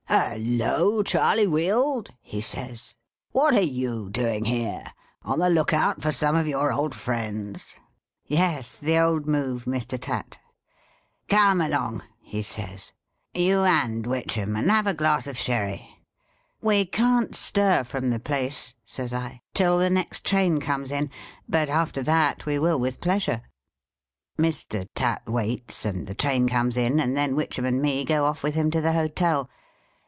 ' Halloa, Charley Wield/ he says. ' What are you doing here 1 On the look oxit for some of your old friends ?'' Yes, the old move, Mr. Tatt.' ' Come along,' he says, ' you and Witchem, and have a glass of sherry.' ' We can't stir from the place,' says I, ' till the next train comes in ; but after that, we will with pleasure.' Mr. Tatt waits, and the train comes in, and then Witchem and me go oif with him to the Hotel.